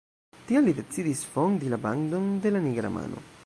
Tial li decidis fondi la bandon de la nigra mano.